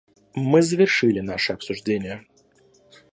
Мы завершили наши обсуждения.